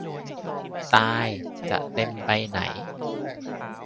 ตาย จะเต็มไปไหน